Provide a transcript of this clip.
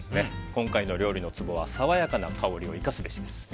今回の料理のツボは爽やかな香りを活かすべしです。